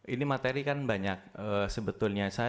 ini materi kan banyak sebetulnya